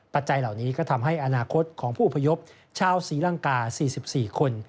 จัยเหล่านี้ก็ทำให้อนาคตของผู้อพยพชาวศรีลังกา๔๔คน